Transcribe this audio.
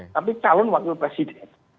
tapi calon wakil presiden